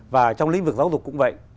và trong lĩnh vực giáo dục cũng vậy